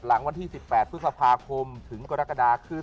วันที่๑๘พฤษภาคมถึงกรกฎาคือ